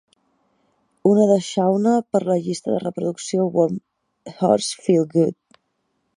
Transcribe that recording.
Una de Shawnna per la llista de reproducció Warm Hearts Feel Good.